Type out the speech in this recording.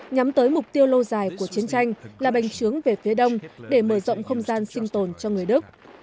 nhắm tới mục tiêu lâu dài của chiến tranh là bành trướng về phía đông để mở rộng không gian sinh tồn cho người đức